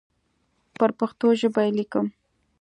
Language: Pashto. پر پښتو ژبه یې لیکم.